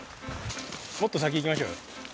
もっと先行きましょうよ。